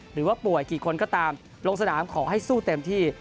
หรือว่าป่วยกี่คนก็ตามลงสนามขอให้สู้เต็มที่